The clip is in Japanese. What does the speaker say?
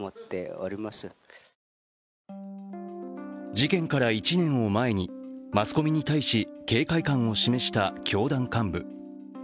事件から１年を前に、マスコミに対し警戒感を示した教団幹部。